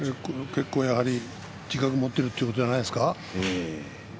自覚を持っているということじゃないですか。